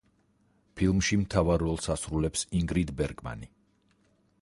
ფილმში მთავარ როლს ასრულებს ინგრიდ ბერგმანი.